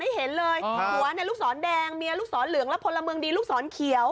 ลูกสองให้เห็นเลยผัวเนี่ยลูกสองแดงเมียลูกสองเหลืองแล้วพลเมืองดีลูกสองเขียว